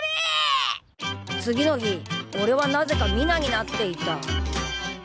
次の日おれはなぜか美奈になっていた。